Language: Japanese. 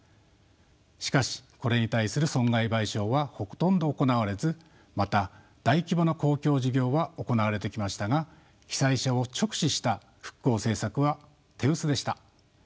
しかしこれに対する損害賠償はほとんど行われずまた大規模な公共事業は行われてきましたが被災者を直視した復興政策は手薄でした。